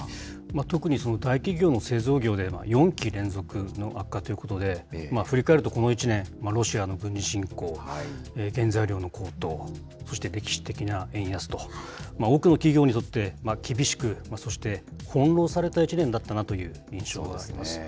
特にその大企業の製造業で４期連続の悪化ということで、振り返るとこの一年、ロシアの軍事侵攻、原材料の高騰、そして歴史的な円安と、多くの企業にとって厳しく、そして翻弄された一年だったなという印象です。